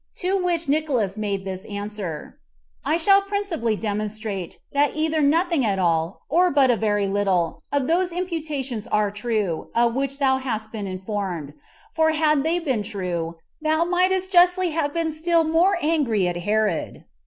To which Nicolaus made this answer: "I shall principally demonstrate, that either nothing at all, or but a very little, of those imputations are true, of which thou hast been informed; for had they been true, thou mightest justly have been still more angry at Herod."